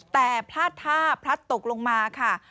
แต่พลาดท่าพลัดตกลงมาค่ะ